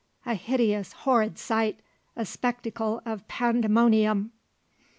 A hideous, horrid sight a spectacle of Pandemonium!